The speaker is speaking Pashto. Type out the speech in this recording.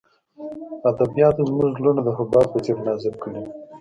ادبیاتو زموږ زړونه د حباب په څېر نازک کړي وو